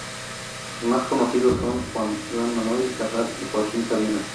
Los más conocidos son Joan Manuel Serrat y Joaquín Sabina.